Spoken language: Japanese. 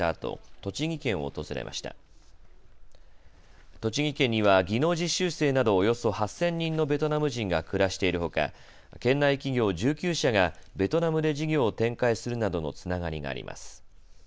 栃木県には技能実習生などおよそ８０００人のベトナム人が暮らしているほか県内企業１９社がベトナムで事業を展開するなどのつながりがあります。